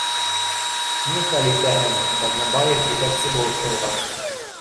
Нихәл итәһең, Ҡаҙнабаев етәксе булып тыуған